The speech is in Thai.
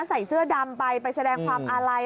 ใส่เสื้อดำไปไปแสดงความอาลัย